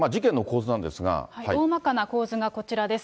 大まかな構図がこちらです。